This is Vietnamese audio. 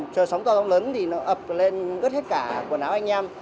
trời sóng to do lớn thì nó ập lên gất hết cả quần áo anh em